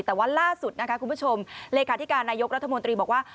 แต่ว่าล่าสุดนะคะคุณผู้ชมเลขาธิการนายกรัฐมนตรีบอกว่า